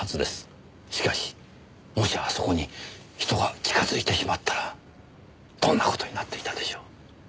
しかしもしあそこに人が近づいてしまったらどんな事になっていたでしょう。